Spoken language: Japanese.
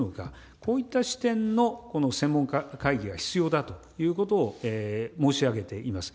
こういった視点の専門家会議が必要だということを申し上げています。